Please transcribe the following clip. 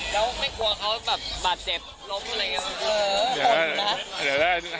แล้วไม่กลัวเขาแบบบาดเจ็บล้มอะไรอย่างนี้